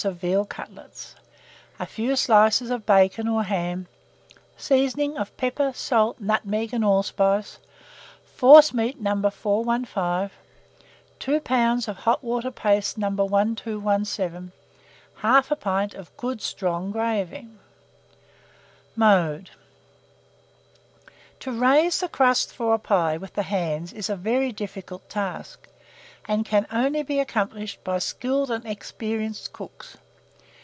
of veal cutlets, a few slices of bacon or ham, seasoning of pepper, salt, nutmeg, and allspice, forcemeat No. 415, 2 lbs. of hot water paste No. 1217, 1/2 pint of good strong gravy. Mode. To raise the crust for a pie with the hands is a very difficult task, and can only be accomplished by skilled and experienced cooks.